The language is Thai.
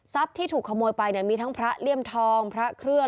ที่ถูกขโมยไปเนี่ยมีทั้งพระเลี่ยมทองพระเครื่อง